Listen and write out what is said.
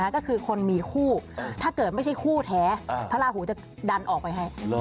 ก็คือคนมีคู่ถ้าเกิดไม่ใช่คู่แท้พระราหูจะดันออกไปให้